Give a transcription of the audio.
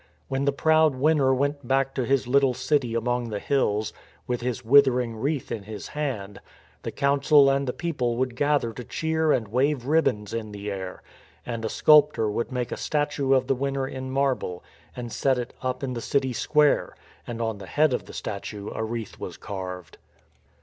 When the proud winner went back to his little city among the hills, with his withering wreath in his hand, the Council and the people would gather to cheer and 226 STORM AND STRESS wave ribbons in the air; and a sculptor would make a statue of the winner in marble, and set it up in the city square, and on the head of the statue a wreath was carved.